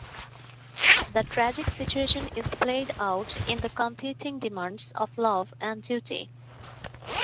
The tragic situation is played out in the competing demands of love and duty.